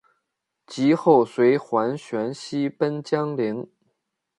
及后随桓玄西奔江陵。